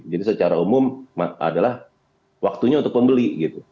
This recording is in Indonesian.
jadi secara umum adalah waktunya untuk pembeli